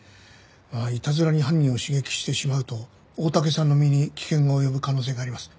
いたずらに犯人を刺激してしまうと大竹さんの身に危険が及ぶ可能性があります。